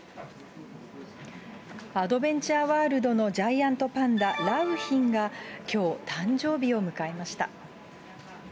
アドベンチャーワールドのジャイアントパンダ、良浜がきょう、誕生日を迎えました。